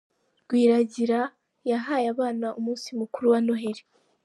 rwiragira yahaye abana umunsi mukuru wa Noheli